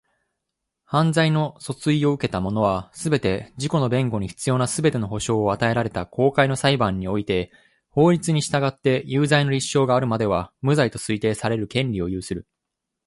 犯罪の訴追を受けた者は、すべて、自己の弁護に必要なすべての保障を与えられた公開の裁判において法律に従って有罪の立証があるまでは、無罪と推定される権利を有する。